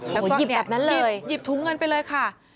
แล้วก็หยิบแบบนั้นเลยหยิบถุงเงินไปเลยค่ะ